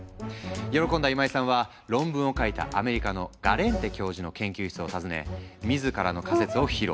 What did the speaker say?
喜んだ今井さんは論文を書いたアメリカのガレンテ教授の研究室を訪ね自らの仮説を披露。